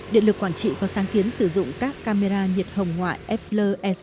điện lực quảng trị có sáng kiến sử dụng các camera nhiệt hồng ngoại fl e sáu mươi